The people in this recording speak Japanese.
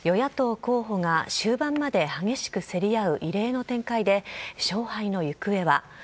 与野党候補が終盤まで激しく競り合う異例の展開で、勝敗の行方は。